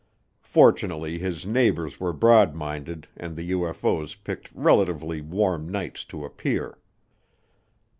Fortunately his neighbors were broad minded and the UFO's picked relatively warm nights to appear.